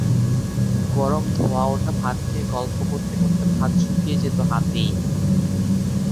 গরম ধোঁয়া ওঠা ভাত খেয়ে গল্প করতে করতে ভাত শুকিয়ে যেত হাতেই।